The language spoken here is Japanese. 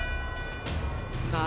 さあ